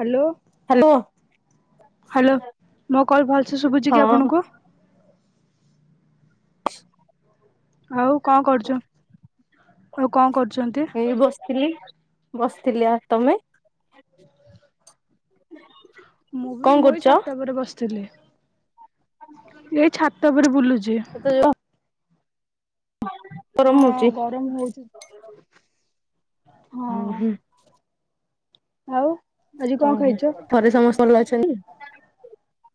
Hello hello hello ମୋ call ଭଲଛି ଶୁଭୁଛି ହଁ କି ଆପଣଙ୍କୁ ଆଉ କଣ କରୁଛ ଆଉ କଣ କରୁଛନ୍ତି ଏଇ ବସିଥିଲି ବସିଥିଲି ଆଉ ତମେ ମୁଁ ବି କଣ ମୁଁଇ କରୁଛ? ଛାତ ଉପରେ ବସିଥିଲି ଏ ଛାତ। ତାପରେ ବୁଲୁଛି ଜେ ଏତେ ଯୋଉ ଗରମ ହଁ ହଉଛି। ଗରମ ହଉଛି ହୁଁ ହଁ ହୁଁ। ଆଉ ଆଜି ଓୋ କଣ ଖାଇଛ? [inaudible] ଥରେ ସମସ୍ତେ ଭଲ ଅ। ସଇ। [inaudible]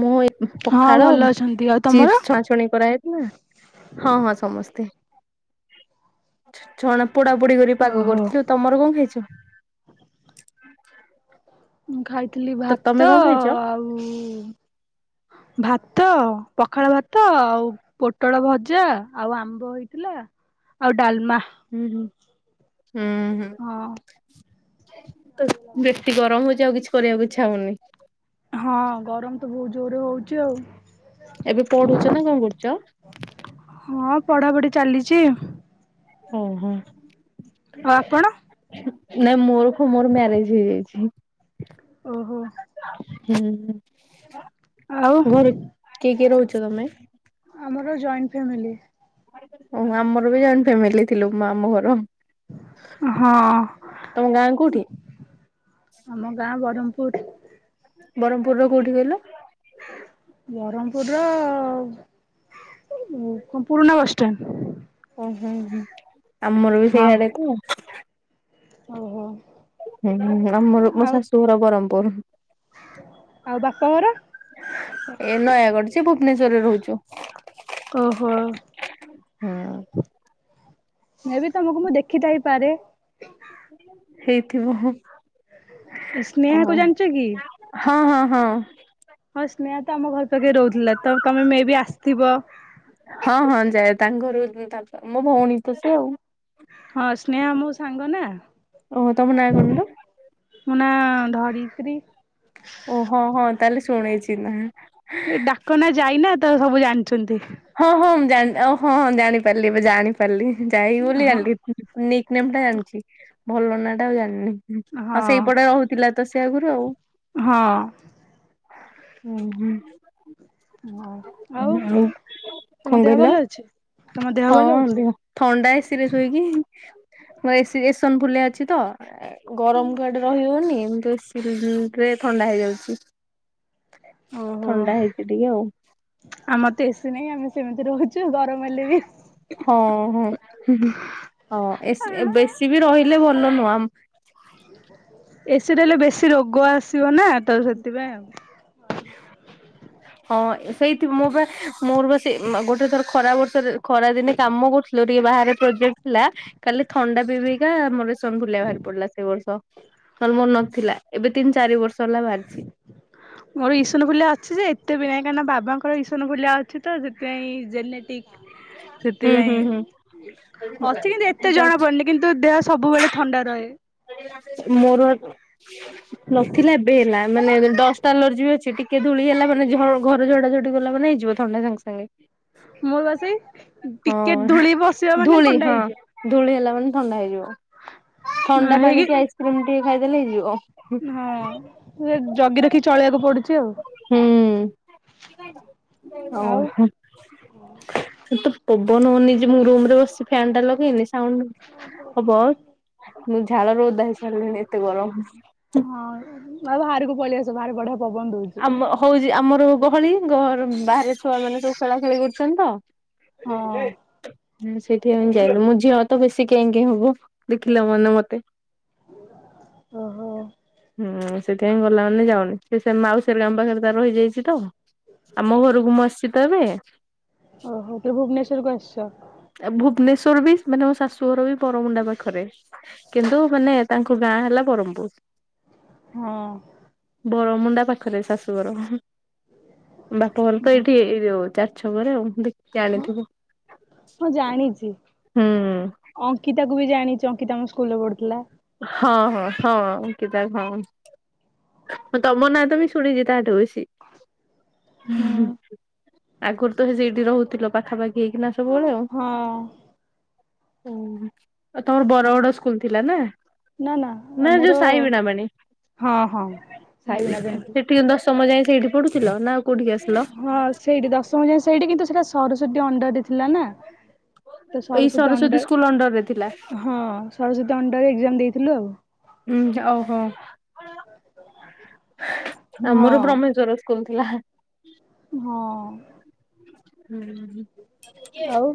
ମୁଁ ହଁ ପଖାଳ ଭଲ ଅଛନ୍ତି ଆଉ ତମର? ଚିପ୍ସ୍ ଛଁଣା ଛଣି କରାହେଇଥିଲା ହଁ ହଁ ସମସ୍ତେ ଛଣା ପୋଡାପୋଡି କରି ପାଗ ଓହୋ କରିଥିଲୁ ତମର କଣ ଖାଇଛ? ହଁ ଖାଇ। ଥିଲି ତ ତମେ ଭାତ କଣ ଖାଇଛ? ଆଉ ଭାତ ଭାତ ପଖାଳ ଭାତ ଆଉ ପୋଟଳ ଭଜା ଆଉ ଆମ୍ବ ହେଇଥିଲା ଆଉ ଡାଲମା ହୁଁ ହୁଁ ହଁ। ତ ବେଶି ଗରମ ହଉଛି ଆଉ କିଛି କରିବାକୁ ଇଚ୍ଛା ହଉନି ହଁ ଗରମ ତ ବହୁତ ଜୋରରେ ହଉଛି ଆଉ ଏବେ ପଢୁଛ ନା କଣ କରୁଛ? ପଢ଼ାପଢ଼ି ଚାଲିଛି ଓ ହୋ। ଆଉ ଆପଣ ନାଇଁ ମୋର କଣ ମୋର ମ୍ୟାରେଜ ହେଇଯାଇଛି। ଓହୋ। ହୁଁ। ଆଉ ଘରେ କିଏ କିଏ ରହୁଛି। ତମେ ଆମର ଜଏଣ୍ଟ ଫ୍ୟାମିଲି ହ ଆମର ବି ଜଏଣ୍ଟ ଫ୍ୟାମିଲି ଥିଲୁ ମାମୁଁ ଘର ହଁ ତମ ଗାଁ କୋଉଠି? ଆମ ଗାଁ ବରମ୍ପୁର ବ୍ରହ୍ମପୁର ର କୋଉଠି କହିଲ? ବ୍ରହ୍ମପୁର ର ପୁରୁଣା ବସ ଷ୍ଟାଣ୍ଡ ହୁଁ ହୁଁ ହୁଁ। ଆମର ବି ସେଇଆଡେ କୁ। ଓ ହୋ ହୁଁ ହୁଁ ଆମର ମୋ ଶାଶୁଘର ବରମ୍ ଉପ ଆଉ ବାପଘର ଏ ନୟାଗଡ ଭୁବନେଶ୍ଵରରେ ରହୁଛୁ ହଁ ହୁଁ। ମେ ବି ତମକୁ ମୁଁ ଦେଖିଥାଇପାରେ। ହେଇଥିବ। ଓ ସ୍ନେହା କୁ ଜାଣିଛ କି? ହଁ ହଁ ହଁ। ହଁ ସ୍ନେହା ତ ଆମ ଘର ପାଖେ ରହୁଥିଲା। ତ ତମେ ମେ ବି ଆସିଥିବ? ହଁ ହଁ ଯାଏ ତାଙ୍କ ଘର କୁ ତା ମୋ ଭଉଣୀ ତ ସେ ଆଉ। ହଁ ସ୍ନେହା ମୋ ସାଙ୍ଗ ନା। ଓ ହୋ ତମେ ନୟାଗଡ ନା। ହଁ ଧରିତ୍ରୀ। ଓ ହଁ ହଁ ତାହେଲେ ଶୁଣିଛି। ଟି ନା। ଡାକନା ଯାଇନା। ତ ସବୁ ଜାଣିଛନ୍ତି। ହଁ ହଁ ମୁଁ ଜାଣି ଅ ହଁ ହଁ ଜାଣିପାରିଲି ଏବେ ଜାଣିପାରିଲି। ଯାଇ ବୋଲି ହଁ ଜାଣିଲି ନିକ ନେମ୍ ଟା ଜାଣିଛି। ଭଲ ନାଟା ଆଉ ଜାଣିନି। ହଁ ସେଇପଟେ ରହୁଥିଲା ତ ସେ ସେ ଆଗରୁ ଆଉ। ହଁ। ହୁଁ ହୁଁ। ହଁ ଆଉ। ତମ ଦେହ ଭଲ [unintelligible] ଅଛି? ତମ ଦେହ ଭଲ ହଁ ଅଛି? ଥଣ୍ଡା ଏସିରେ ଶୋଇକି ମୋ ଏସି ଏସନଫୁଲିଆ ଅଛି ତ ଏ। ଗରମ କୁ ଆଡେ ରହିି ହଉନି ଏମିତି ଏସି [unintelligible] ରେ ଥଣ୍ଡା ହେଇଯାଉଛି। ଓହୋ ଥଣ୍ଡା ହେଇଛି ଟିକେ ଆଉ ଆମର ତ ଏସି ନାଇଁ ଆମେ ସେମିତି ରହୁଛୁ ଗରମ ହେଲେ ବି। ହଁ ହଁ ହୁଁ ହୁଁ ହଁ ଏସି ବେଶୀ ବି ରହିଲେ ଭଲ ନୁହୁଁ ଆମ ଏସିରେ ରହିଲେ ବେଶି ରୋଗ ଆସିବ ନା। ତ ସେଥିପାଇଁ ଆଉ। ହଁ ସେଇ ଠୁ ମୁଁ ବା ମୋର ବା ସେ ମା-ଗୋଟେ ଥର ଖରା ବର୍ଷାରେ ଖରା ଦିନେ କାମ କରୁଥିଲେ ଟିକେ ବାହାରେ ପ୍ରୋଜେକ୍ଟ ଥିଲା ଖାଲି ଥଣ୍ଡା ପିଇପିଇକା ମୋର ଇସନଫୁଲିଆ ବାହାରି ପଡିଲା ସେଇ ବର୍ଷଲେ ନହେଲେ ମୋର ନଥିଲା ଏବେ ତିନି ଚାରି ବର୍ଷ ହେଲା। ବାହାରିଛି। ମୋର ଇସନଫୁଲିଆ ଅଛି ଯେ ଏତେ ବି ନାହିଁ କାହିଁକି ନା ବାବାଙ୍କ ମୋର ଇସନଫୁଲିଆ ଅଛି ତ ସେଥିପାଇଁ ଜେନେଟିକ ହୁଁ ହୁଁ ସେଥିପାଇଁ ହୁଁ। ଅଛି କିନ୍ତୁ ଏତେ ଜଣା ଯାଉଛି। ପଡୁନି କିନ୍ତୁ ଦେହ ସବୁବେଳେ ଥଣ୍ଡା ରହେ। ମୋର ନଥିଲା ଏବେ ହେଲା। ମାନେ ଡଷ୍ଟ ଆଲର୍ଜି ବି ଅଛି ଟିକେ ଧୂଳି ହେଲା ମାନେ ଝ-ଘର ଝଡା ଝଡି କଲା ମାନେ ହେଇଯିବ ଥଣ୍ଡା ସାଙ୍ଗେ ସାଙ୍ଗେ। ମୋର ବା ସେ ଟିକେ ଧୂଳି ବସିବ ହଁ ମାନେ ଧୂଳି ଥଣ୍ଡା ହଁ ହେଇଯିବ। ଧୂଳି ହେଲା ଥଣ୍ଡା ହେଇଯିବ। ଥଣ୍ଡା ପାଣି କି ହେଇକି ଆଇସ୍କ୍ରିମ ଟିକେ ଖାଇ ଏଲେ ହେ ଯିବ। ହଁ ସେ ଜଗି ରଖି ଚଳେଇବାକୁ ପଡୁଛି ହୁଁ ଆଉ। ସେ ତ ମନ ହୋଉନି ଯେ ମୁଁ ରୁମ୍ ରେ ବ ଫ୍ୟାନ୍ ଟା ଲଗେଇନି ସାଉଣ୍ଡ ହବ। ମୁଁ ଝାଳରେ ଓଦା ହେଇ ସାରିଲିଣିି ଏତେ ଗରମ। ତୁମାର ବଡ ଆମ ହଉଛି ଆମର ଗହଳି ଘହର ବାହାରେ ଛୁଆ ମାନେ ଯୋଉ ଖେଳା ଖେଳି କରୁଛନ୍ତି ହଁ। ତ। ଏ। ହଁ ସେଠି ଆମେ ଯାଇନୁ। ମୋ ଝିଅ ତ ବେଶୀ କେଁ କେଁ ହବ। ଦେଖିଲା ମନେ ମତେ। ଓହୋ ହୁଁ ସେଥିପାଇଁ ଗଲା ମାନେ ଯାଉନି ସେ ସେ ମାଉସୀ ହେରିକାଙ୍କ ପାଖରେ ତାର ରହିଯାଇଛି ତମେ? ଓହୋ ତେ ଭୁବନେଶ୍ଵରକୁ ଆସିଛ। ଭୁବନେଶ୍ଵର ବି ମାନେ ମୋ ଶାଶୁଘର ବି ବରମୁଣ୍ଡା ପାଖରେ। କିନ୍ତୁ ମାନେ ତାଙ୍କ ଗାଁ ହେଲା ବ୍ରହ୍ମପୁର। ହଁ। ବରମୁଣ୍ଡା ପାଖରେ ଶାଶୁଘର। ବାପଘର ତ ଏଇଠି ଏଇ ଯଉ ଚା ଛ ଘରେ ଆଉ ଦେଖ ହଁ ଜାଣିଥିବୁ। ହଁ ଜାଣିଛି। ହଁ ଅଙ୍କିତାକୁ ବି ଜାଣିଚି ଅଙ୍କିତା ଆମ ସ୍କୁଲ୍ ରେ ପଢୁଥିଲା। ହଁ ହଁ ହଁ ଅଙ୍କିତା ହଁ ତମ ନାଁ ତ ବି ଶୁଣିଛି ତାଠୁ ବେଶି। ହୁଁ ହୁଁ ହୁଁ। ଆଗରୁ ତ ସେଇଠି ରହୁଥିଲ ପାଖାପାଖି ହେଇକି ନା ସବୁବେଳେ ଆଉ। ହଁ ଉଁ ହୁଁ। ତମର ବର ବଡ ସ୍କୁଲ୍ ଥିଲା ନା। ନା ନା ଯୋଉ ମୋର ସାଇ ବିଣାପାଣି? ହଁ ହଁ ସାଇ ବିଣା ବିଣା ଥିଲା। ସମୟ ଯାଏ ସେଇଠି ପଡୁଥିଲ। ନା କୋଉଠିକି ଆସିଲ? ହଁ ସେଇଠି ଦଶମ ଯାଏ ସେଇଠି କିନ୍ତୁ ସେଇଟା ସରସ୍ୱତୀ ଅଣ୍ଡା ଥିଲାନା ତ ଏଇ ସରସ୍ବତୀ ସରସ୍ଵତୀ ଅଂଡର ସ୍କୁଲ ଅଣ୍ଡରରେ ଥିଲା। [inaudible] ହ ସରସ୍ବତୀ ଅନଡର ରେ ଏଗଜାମ ଦେଇ ଥିଲୁ ଆଉ ହୁଁ ଓହୋ [unintelligible] ଆମର ହଁ ବ୍ରହ୍ମେଶ୍ଵର କହୁଥିଲା ହଁ। ଉଁ ହୁଁ ଆଉ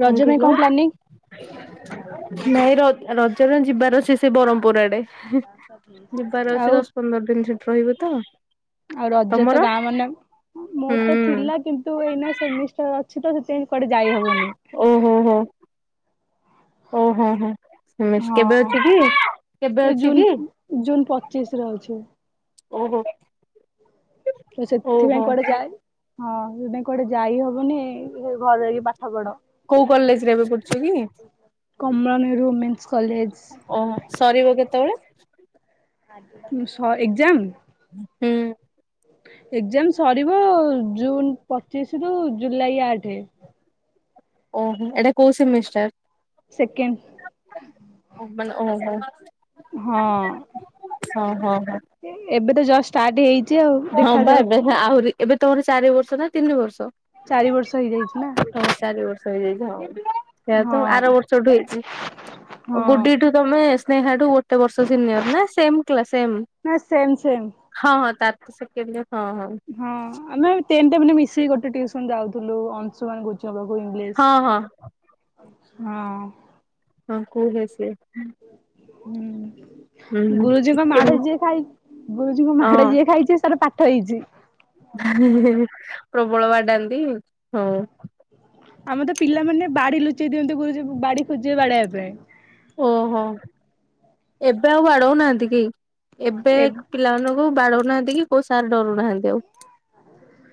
[inaudible] କଣ ରଜ ପାଇଁ କିଲୋ ପ୍ଲାନିଂ ନାଇଁ ର ରଜାରେ ଯିବାର ଅଛି ସେ ବରହମ୍ପୁର ଆଡେ ଯିବାର ଅଛି ଆଉ ଦଶ ପନ୍ଦର ଦିନ ଛୁଟି ରହିବୁ ତ ଆଉ ରଜ ତ ତମର? ଗାଁ ମାନେ ମୁଁ ହୁଁ ତ ଥିଲା କି ତୁ ଏଇନା ସେମିଷ୍ଟାର ଅଛି ତ ସେଥିପାଇଁ କୁଆଡେ ଯାଇ ହବନି ଓହୋ ହୋ ଓହୋ ହୋ କେବେ ହଁ ଅଛି କି କେବେ ଅଛି କି ଚିଶ ରେ ହଉଛି ଓହୋ ତ ସେଥି ଭାଇଁ ଓହୋ କୁଆଡେ ଯାଏ ହଁ ସେ ନାଇ କୁଆଡେ ଯାଇ ହବନି ସେ ଘରେ ରହୀକି ପାଠ ପଢ। କୋଉ କଲେଜ ରେ ଏବେ ପଡୁଛି କି କମଳ ନ ରୁମେ ଓହୋ ସରିବ କେତେବେଳେ [inaudible] ଏକକ୍ଜାମ ହୁଁ। ଏକ୍ଜାମ ସରିବ ଜୁନ ପଚିଶ ରୁ ଜୁଲାଇ ଆଠ ଓହୋ ଏଇଟା କଉ ସେମିଷ୍ଟାର୍ ସେକେଣ୍ଡ ଓ ହୋ ହଁ ହଁ ହଁ ଏବେ ତ ଜଷ୍ଟ ଷ୍ଟାର୍ଟ ହେଇ ହଁ ଭାଇବେ ଆହୁରି ଏବେ ତମର ଚାରି ବର୍ଷ ନା ତିନି ବର୍ଷ। ଚାରି ବର୍ଷ ହେଇଯାଇଛି ନା। ହ। ସେଇୟା ତ ଆର ହଁ। ବର୍ଷଠୁ ହେଇଛି। ହଁ ଗୁଡିଠୁ ତମେ ନେହା ଠୁ ବର୍ଷ ସିନିୟର ନା ସେମ କ୍ଲାସ ସେମ। ନା ସେମ୍ ସେମ୍। ହଁ ହଁ ଆ ସେ କେ ହଁ ଆମେ ତେନଟ ମାନ ସେ ଗୋଟେ ଟିୁସନ ଯାଉଥିଲୁ ଅଂଶୁମାନ ଗୁର୍ କୁ ହଁ ହଁ ଇଂଲିଶ। ହଁ। ହଁ କୁହେ ସେ। ହୁଁ। ଗୁରୁଜୀଙ୍କ କେମି ମାଡ ଯିଏ ଖାଇ ଗୁରୁଜୀଙ୍କ ମାଡ ହଁ ଯିଏ ଖାଇଛି ସାର ପା [inaudible] [inaudible] ପ୍ରବଳ ବାଡାନ୍ତି। ହୁଁ। ଆମର ତ ପିଲାମାନେ ବାଡି ଲୁଚେଇ ଦିଅନ୍ତି। ଗୁରୁଜ ବାଡି ଖୋଜିବେ ବାଡେଇବା ପାଇଁ। ଓହୋ ଏବେ ଆଉ ବାଡଉନାହାନ୍ତି କେହି। ଏବେ ଏ ପିଲାମାନ କୋଉ ବାଡଉନାହାନ୍ତି କି କୋଉ ସାର୍ ଡରୁନାହାନ୍ତି ଆଉ।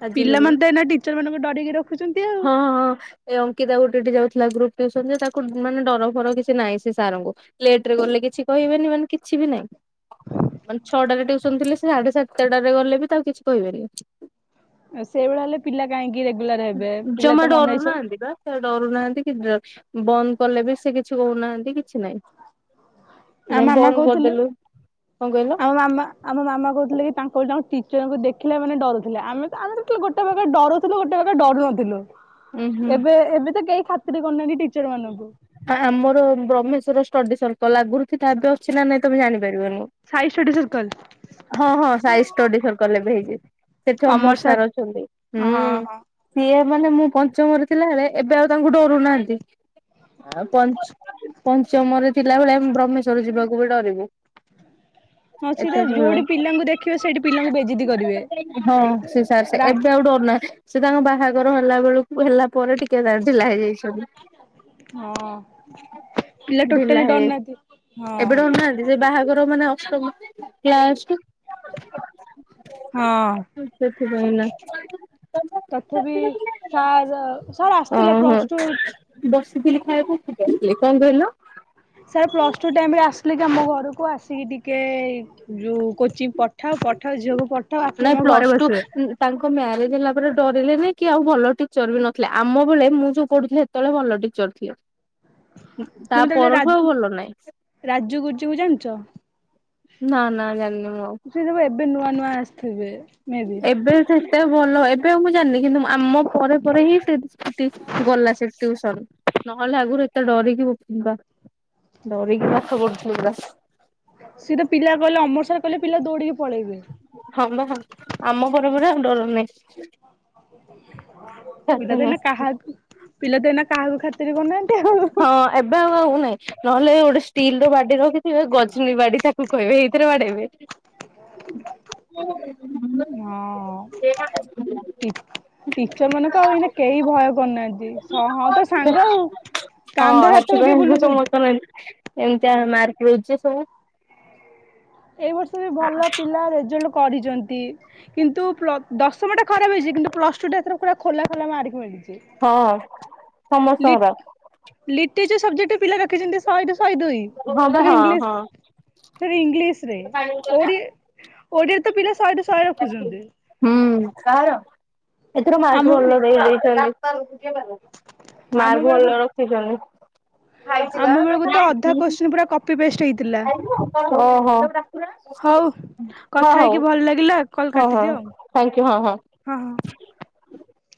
ଆଜିିକଲି ପିଲାମାନେ ତ ଏଇନା ଟିଚର ମାନଙ୍କୁ ଡରିକି ରଖୁଛନ୍ତି ଆଉ। ହଁ ହଁ ଏ ଅଙ୍କିତା ଗୋଟେଠି ଯାଉଥିଲା ଗ୍ରୁପ ଯେ ତାକୁ ମାନେ ଡର ଫର କିଛି ନାଇଁ। ସେ ସାରଙ୍କୁ ଲେଟ ରେ ଗଲେ କିଛି କହିବେନି ମାନେ କିଛି ବି ନାହିଁ। ମାନେ ଛଅଟାରେ ଟଉସନ ଥିଲେ ସେ ସାଢେ ସାତଟରେ ଗଲେ ବି ତାକୁ କିଛି କହିବେନି। ସେଇଭଳିଆ ହେଲେ ପିଲା କାହିଁକି ରେଗୁଲାର ହେବେ ପିଲା ଜମା ତ ମନ ଡରୁ ଇଚ୍ଛା ନାହାଁନ୍ତି ବା। ଡରୁ ନାହାନ୍ତି କି ବନ୍ଦ କଲେ ବି ସେ କିଛି କହୁନାହାନ୍ତି କି କିଛି ନାହିଁ। ଆମ ମାମା ବନ୍ଦ କହୁଥିଲେ କରିଦେଲୁ କଣ କହିଲ ଆମ ମାମା ଆମ ମାମା କହୁଥିଲେ କି ତାଙ୍କର ଜ ଟି ଙ୍କୁ ଦେଖିଲେ ମାନେ ଡରୁଥିଲେ। ଆମେ ତ ଆମେ ଗୋଟେ ପାାଗ ଡରୁଥିଲୁ ଗୋଟେ ପାାଗ ଡରୁ ନଥିଲୁ। ଉୁଁ ହୁଁ। ଏବେ ଏବେ ତ କେହି ଖ ଖାତିର କରୁନାହାନ୍ତି ଟିଚର ମାନଙ୍କୁ। ଆମର ବ୍ରହ୍ମେଶ୍ଵର ଷ୍ଟଡି ସ ଲୁ ଥାହା ବି ଅଛି ନା ନାଇଁ ତମେ Sai study circle Amar sir ହଁ ହଁ ଜା [inaudible] ମାନେ ମୁଁ ପଞ୍ଚମରେ ଥିଲାବେଳେ ଏବେ ଆଉ ତାଙ୍କୁ ଡରୁ ନାହାନ୍ତି। ଆଉ ପଞ୍ଚମରେ ଥିଲା ଭଳେ ଆମେ ବ୍ରହ୍ମେଶ୍ଵର ଯିବାକୁ ବି ଡରିବୁ। ହଁ ସ ତ ଏତେ ଯୋଉଠି ଭଲ ପିଲାଙ୍କୁ ଦେଖିବ ସେଇଠି ପିଲାଙ୍କୁ ବେଜିତି କରିବେ। ହଁ ସେ ସାର୍ ସେ ଏବେ ଆଉ ଡରୁ ନାହାନ୍ତି ସେ ତାଙ୍କ ବାହାଘର ହେଲା ବେଳକୁ ହେଲା ପରେ ଟିକେ କେ ଦର୍ଦ ଢିଲା ହେଇଯାଇଛି ସବୁ। ହଁ ପିଲା ଟୋଟାଲି ଡରୁ ହେଇଯାଇ ନାହାନ୍ତି। ହଁ ଯୋଉମାନେ ଅଷ୍ଟମ କ୍ଲାସ ହଁ ରୁ ସେଥିପାଇଁ ନା ତଥାପି ସାର୍ ସାର୍ ଆସିଥିଲେ ପ୍ଲସ ଟୁ ଫିଲି ଖାଇବୁ କିଲୋ ଲିକ୍ କଣ କହିଲ? ସାର୍ ପ୍ଲସ ଟୁ ଟାଇମରେ ଆସିଲେ କି ଆମ ଘରକୁ ଆସିକି ଟିକେ ଯୋଉ କୋଚିଂ ପଠାଅ ପଠାଅ ଝିଅକୁ ପଠ ନାଇଁ ପ୍ଲସ ଟୁ ଉଁଉଁ ତାଙ୍କ ମ୍ୟାରେଜ ହେଲା ପରେ ଡରିଲେନି କି ଆଉ ଭଲ ଟିଚର ବି ନଥିଲେ ଆମ ବେଳେ ମୁଁ ଯୋଉ ପଢୁଥିଲି ସେତେବେଳେ ଭଲ ଟିଚର ଥିଲେ। ତା ତମେ ତାହେଲେ ରା ପରଠୁ ଆଉ ଭଲ ନହିଁ। ରାଜୁ ଗୁଜୁକୁ ଜାଣିଛ? ନା ନା ଜାଣିନି ମୁଁ ଆଉ। ସେ ସବୁ ଏବେ ନୂଆ ନୂଆ ଆସୁଥିବେ। ଏବେ ସେସବୁ ଭଲ ଏବେ ମୁଁ ଜାଣିନି କିନ୍ତୁ ମା ଆମ ପରେ ପରେ ହିଁ ଟିପ୍ସ ଟିପ୍ସ ଗଲା ସେଠ ଟିୟୁସନ୍ ନହେଲେ ଆଗରୁ ଏତେ ଡରିକି ଭୂକକିିବା ଡରିକି ପାଠ ପଢ଼ୁଥିଲେ ପୁରା। ସିଏ ତ ପିଲା କହିଲେ ଅମରସାର୍ କହିଲେ ପିଲା ଦୌଡିକି ପଳେଇବେ। ହଁ ବରା ହଁ ଆମ ଘର ପରା ଆଉ ଡର ନାହିଁ। ଛାତି ପିଲା ଦିନେ ନାହିଁ କାହା ପିଲା ଦିନେ କାହାକୁ ଖାତ୍ ଖାତିର କରୁନାହାନ୍ତି ଆଉ। ହଁ ଏବେ ଆଉ ଆଉ ନାଇଁ ନହେଲେ ଗୋଟେ ଷ୍ଟିଲ ର ବାଡି ରଖି ଇଏ ଗଝଲି ବାଡିଟା କୁ କହିବେଏଇଥିରେ ବାଡ଼େଇବେ। ହଁ ଟି ଟିଚର ମାନଙ୍କୁ ଆଉ ଏଇନା କେହି ଭୟ କରୁନାହାନ୍ତି। ଯେ ହଁ ତ ସାଙ୍ଗ ଆଉ। ହଁ କାନ୍ଧରେ ହାତ ପକେଇ ଆଠାଇ ବୁଲୁଛନ୍ତି। ସମସ୍ତ [unintelligible] ଏମତଆ ମାର୍କ ମିଳିଛି ସବୁ। ଏଇ ବର୍ଷ ବି ଭଲ ପିଲା ରେଜଲ୍ଟ କରିଛନ୍ତି। ଇ କିନ୍ତୁ ପ୍ଲ ଦଶ ସମୟଟା ଖରାପ ହେଇଛି। କିନ୍ତୁ ପ୍ଲସ ଟୁ ଟା ଏଥରେ ପୁରା ଖୋଲା ଖୋଲା ମାରି [inaudible] ହଁ ସମସ୍ତଙ୍କର। ଲିଟେରଚର୍ ର୍ସବଜେକ୍ଟରେ ପିଲା ରଖିଛନ୍ତି ଶହେରୁ ଶହେ। ସହେଦୁଇ ହଁ ବା ଫେର୍ ହଁ ଇଂଲସ ହଁ। ଫେରେ ଇଂଲସ ରେ ଓଡି ଓଡ଼ିଆରେ ତ ପିଲା ସ ହୁଁ। କାହାର? ଏଥର ଆମ ମାାର୍କ୍ଣ ଭଲ ହଲ। ଆମ ମାର୍ ବେଳକୁ ଭଲ ରଖିଛନି ଆମ ବେଳକୁ ତ ଅଧା କୋଶି ପୁରା କପି ପେଷ୍ଟ ହେଇ [unintelligible] ଓହୋ। ହଉ କଥା ହେଇକି ଭଲ ଲାଗିଲା କଲ ହଁ ହଁ କାଟିଦିଅ ଆଉ ଥ୍ୟାଙ୍କୟୁ ହଁ ହଁ ହଁ।